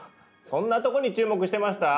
そんなとこに注目してました？